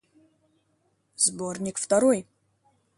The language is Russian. Сборник второй.